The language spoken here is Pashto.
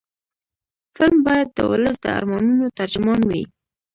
فلم باید د ولس د ارمانونو ترجمان وي